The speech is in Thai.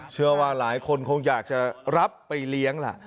เชื่อว่าหลายคนคงอยากจะรับไปเลี้ยงล่ะ